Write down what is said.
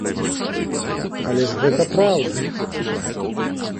Але ж гэта праўда!